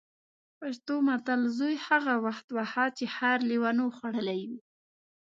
پښتو متل: زوی هغه وخت وهه چې خر لېوانو خوړلی وي.